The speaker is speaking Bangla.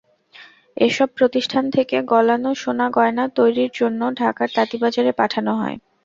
এসব প্রতিষ্ঠান থেকে গলানো সোনা গয়না তৈরির জন্য ঢাকার তাঁতীবাজারে পাঠানো হয়।